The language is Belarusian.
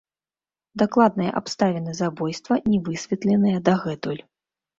Дакладныя абставіны забойства не высветленыя дагэтуль.